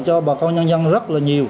cho bà con nhân dân rất là nhiều